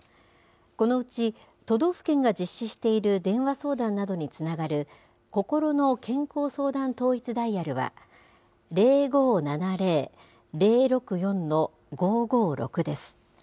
このうち、都道府県が実施している電話相談などにつながる、こころの健康相談統一ダイヤルは、０５７０ー０６４ー５５６です。